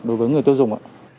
đối với người tiêu dùng